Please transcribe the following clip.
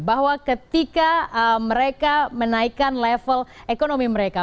bahwa ketika mereka menaikkan level ekonomi mereka